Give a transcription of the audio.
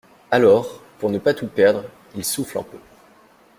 Alors, pour ne pas tout perdre, il souffle un peu.